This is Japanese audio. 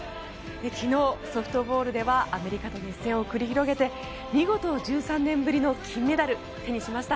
昨日、ソフトボールではアメリカと熱戦を繰り広げて見事、１３年ぶりの金メダルを手にしました。